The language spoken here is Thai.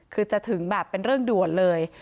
คือจะถึงแบบเป็นเรื่องด่วนเลย